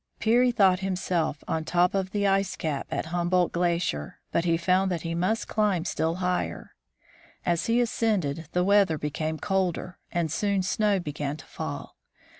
Peary had thought himself on top of the ice cap at Hum boldt glacier, but he found that he must climb still higher. As he ascended the weather became colder, and soon snow began to fall.